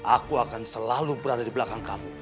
aku akan selalu berada di belakang kamu